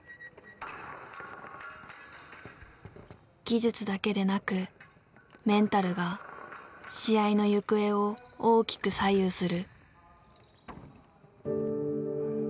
技術だけでなくメンタルが試合の行方を大きく左右する。